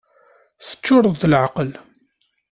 Teččureḍ d leεqel!